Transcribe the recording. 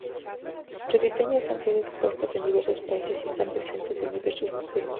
Sus diseños han sido expuestos en diversos países y están presentes en diversos museos.